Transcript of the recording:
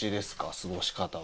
過ごし方は。